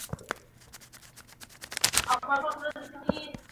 প্রকল্পটির আওতায় খালের দুই পাড় কংক্রিট দিয়ে বেঁধে দেওয়ার কাজ প্রায় শেষ।